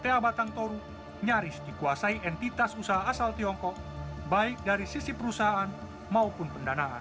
meski berbendera indonesia nshe dan plta batang toru nyaris dikuasai entitas usaha asal tiongkok baik dari sisi perusahaan maupun pendanaan